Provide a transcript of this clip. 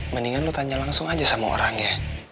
mendingan lu tanya langsung aja sama orang ya